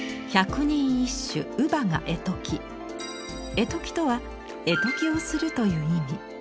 「ゑとき」とは「絵解き」をするという意味。